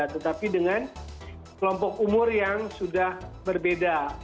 tetapi dengan kelompok umur yang sudah berbeda